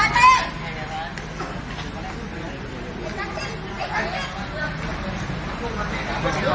เมื่อเมื่อ